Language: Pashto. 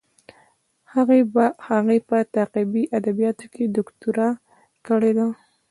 هغې په تطبیقي ادبیاتو کې دوکتورا کړې ده.